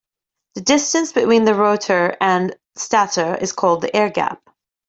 The distance between the rotor and stator is called the air gap.